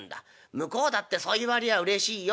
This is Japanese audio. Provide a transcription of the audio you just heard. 向こうだってそう言われりゃうれしいよ。